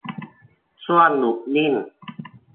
ช่วงหยุดนิ่ง